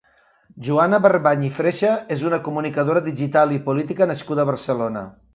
Joana Barbany i Freixa és una comunicadora digital i política nascuda a Barcelona.